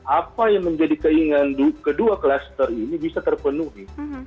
apa yang menjadi keinginan kedua klaster ini bisa terpenuhi